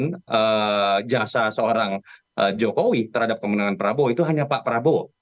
dan jasa seorang jokowi terhadap kemenangan prabowo itu hanya pak prabowo